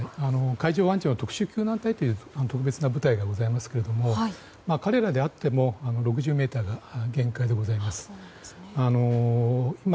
海上保安庁には特殊救難隊という特別な部隊がございますが彼らであっても６０ｍが限界でございます。